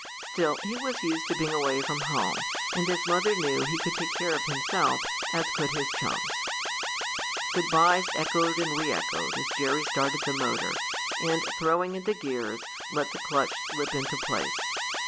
Still he was used to being away from home, and his mother knew he could take care of himself, as could his chums. Good byes echoed and re echoed as Jerry started the motor and, throwing in the gears, let the clutch slip into place.